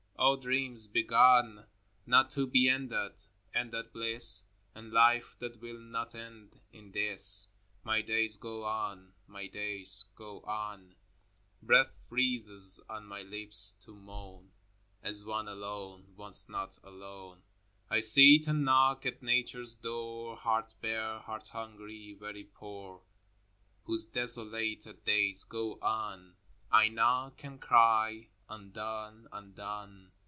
O dreams begun, Not to be ended ! Ended bliss, And life that will not end in this ! My days go on, my days go on. VII. Breath freezes on my lips to moan: As one alone, once not alone, I sit and knock at Nature's door, Heart bare, heart hungry, very poor, Whose desolated days go on. VIII. I knock and cry, — Undone, undone